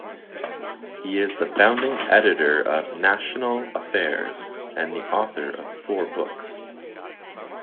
He is the founding editor of "National Affairs" and the author of four books.